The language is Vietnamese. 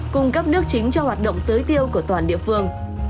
cung cấp nước chính cho hoạt động tưới tiêu của toàn địa phương